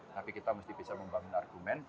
tapi kita mesti bisa membangun argumen